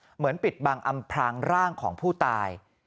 ปิดบังอำพลางร่างของผู้ตาย